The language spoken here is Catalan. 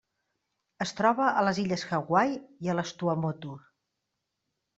Es troba a les Illes Hawaii i a les Tuamotu.